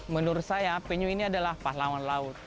menurut saya penyu ini adalah pahlawan laut